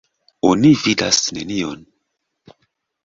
Oni vidas nenion.